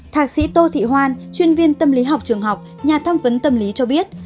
thạc sĩ tô thị hoan chuyên viên tâm lý học trường học nhà thăm vấn tâm lý cho biết